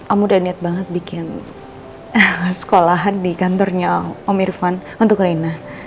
aku udah niat banget bikin sekolahan di kantornya om irfan untuk reina